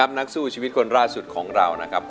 อเรนนี่คือเหตุการณ์เริ่มต้นหลอนช่วงแรกแล้วมีอะไรอีก